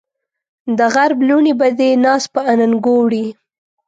د غرب لوڼې به دې ناز په اننګو وړي